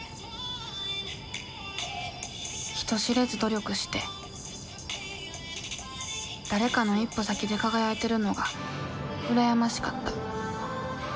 人知れず努力して誰かの一歩先で輝いてるのが羨ましかった。